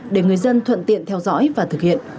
để người dân thuận tiện theo dõi và thực hiện